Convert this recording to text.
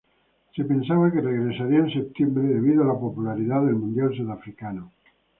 Se pensaba que regresaría en septiembre debido a la popularidad del Mundial Sudafricano.